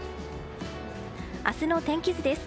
明日の天気図です。